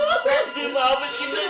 apaan sih ini